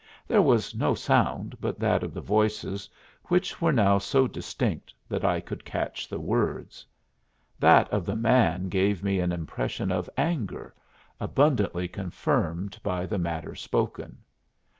There was no sound but that of the voices, which were now so distinct that I could catch the words. That of the man gave me an impression of anger, abundantly confirmed by the matter spoken.